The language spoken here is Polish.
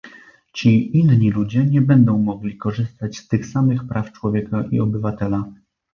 Ci inni ludzie nie będą mogli korzystać z tych samych praw człowieka i obywatela